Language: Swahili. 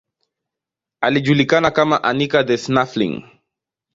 Alijulikana kama Anica the Snuffling.